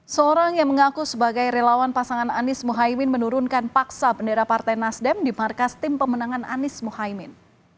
seorang yang mengaku sebagai relawan pasangan anies mohaimin menurunkan paksa bendera partai nasdem di markas tim pemenangan anies mohaimin